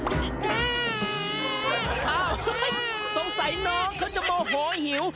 สีน้องสายน้องเค้าจะโมโฮหิว